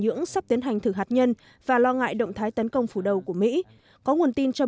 nhưỡng sắp tiến hành thử hạt nhân và lo ngại động thái tấn công phủ đầu của mỹ có nguồn tin cho